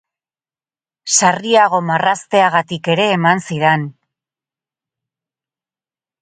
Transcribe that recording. Sarriago marrazteagatik ere eman zidan.